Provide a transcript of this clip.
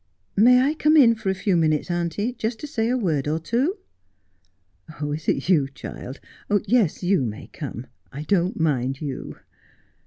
' May I come in for a few minutes, auntie, just to say a word or two ?'' Oh, is it you, child ? Yes, you may come. I don't mind you.'